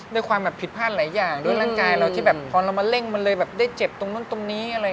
ด้วยความแบบผิดพลาดหลายอย่างด้วยร่างกายเราที่แบบพอเรามาเร่งมันเลยแบบได้เจ็บตรงนู้นตรงนี้อะไร